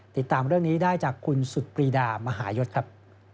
ติดตามเรื่องนี้ได้จากคุณสุดปรีดามหายศครับ